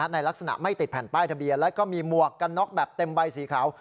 ในลักษณะไม่ติดแผ่นป้ายทะเบียนแล้วก็มีหมวกกันน็อกแบบเต็มใบสีขาว